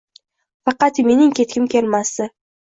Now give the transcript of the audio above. Faqat mening ketgim kelmasdi